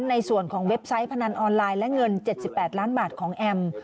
ในส่วนของเว็บไซต์พนันออนไลน์และเงิน๗๘ล้านบาทของแอม